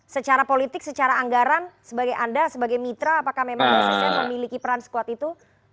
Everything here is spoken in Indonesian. secara politik secara anggaran sebagai anda sebagai mitra apakah memang bssn memiliki peran sekuat itu